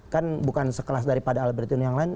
kan bukan sekelas daripada albertine yang lain